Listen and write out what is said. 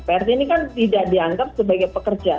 prt ini kan tidak dianggap sebagai pekerja